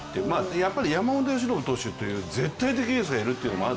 やっぱり山本由伸投手という絶対的エースがいるということもある